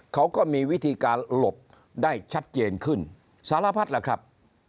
เขาก็มีวิธีการหลบได้ชัดเจนขึ้นสารพัดล่ะครับ